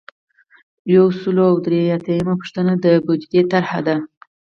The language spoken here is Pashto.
یو سل او درې اتیایمه پوښتنه د بودیجې طرحه ده.